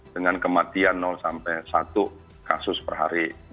dengan kematian sampai satu kasus per hari